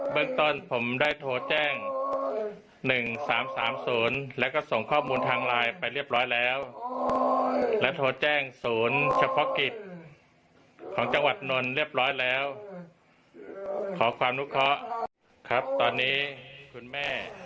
เรื่องต้นผมได้โทรแจ้ง๑๓๓๐แล้วก็ส่งข้อมูลทางไลน์ไปเรียบร้อยแล้วและโทรแจ้งศูนย์เฉพาะกิจของจังหวัดนนท์เรียบร้อยแล้วขอความนุเคราะห์ครับตอนนี้คุณแม่